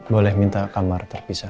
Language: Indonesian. boleh minta kamar terpisah